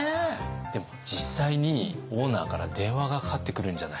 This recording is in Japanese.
でも実際にオーナーから電話がかかってくるんじゃないか。